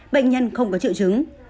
bệnh nhân không có triệu chứng